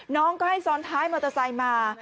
น้องก็ให้ซ้อนท้ายมอเตอร์ไซค์มา